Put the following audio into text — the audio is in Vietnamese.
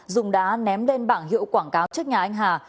dùng đá ném lên bảng hiệu quảng cáo trước nhà anh hà